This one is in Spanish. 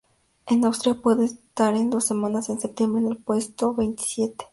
En Austria puedo estar dos semanas en septiembre en el puesto veintisiete.